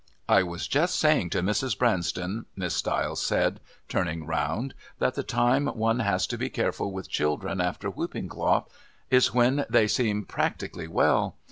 "I was just saying to Mrs. Branston," Miss Stiles said, turning round, "that the time one has to be careful with children after whooping cough is when they seem practically well.